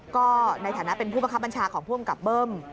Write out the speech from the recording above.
ก็ในฐานะเป็นผู้บังคับบัญชาของผู้กำกับเบิ้ม